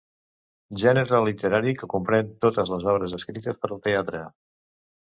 Gènere literari que comprèn totes les obres escrites per al teatre.